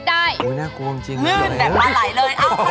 แต่คุณก็ไม่ยุ่งก็จับมือให้เฉยจับมือฝั่งนี้เออจับมือฝั่งนั้นอ่า